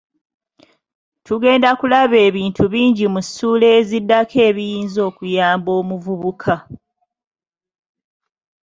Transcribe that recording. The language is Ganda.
Tugenda kulaba ebintu bingi mu ssuula eziddako ebiyinza okuyamba omuvubuka.